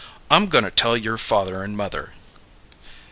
I'm goin' to tell your father and mother."